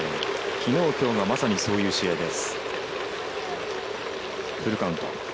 きのう、きょうがまさにそういう試合です。